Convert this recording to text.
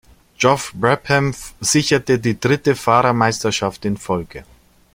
Geoff Brabham sicherte die dritte Fahrermeisterschaft in Folge.